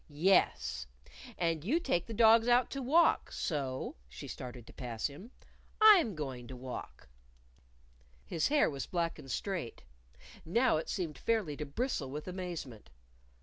"Yes. And you take the dogs out to walk. So" she started to pass him "I'm going to walk." His hair was black and straight. Now it seemed fairly to bristle with amazement.